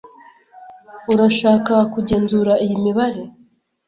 Urashaka kugenzura iyi mibare?